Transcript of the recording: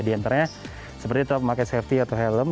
di antaranya seperti tetap memakai safety atau helm